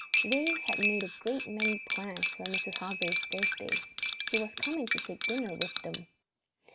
They had made a great many plans for Mrs. Hargrave's birthday. She was coming to take dinner with them.